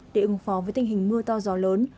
để ứng phó với tình hình mưa to gió lớn